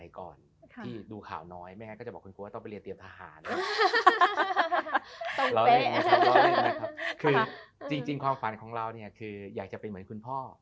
คือจริงความฝันของเราเนี่ยคืออยากจะเป็นเหมือนคุณพ่อ